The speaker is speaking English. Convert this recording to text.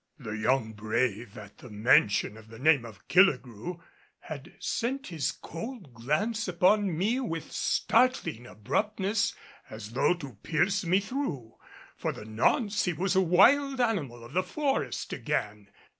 The young brave at the mention of the name of Killigrew had sent his cold glance upon me with startling abruptness as though to pierce me through. For the nonce he was a wild animal of the forest again.